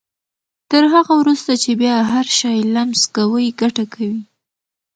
تر هغه وروسته چې بيا هر شی لمس کوئ ګټه کوي.